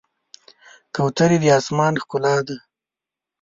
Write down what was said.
کوترې د آسمان ښکلا ده.